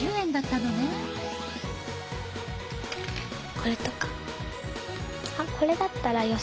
これとか。